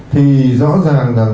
thì rõ ràng là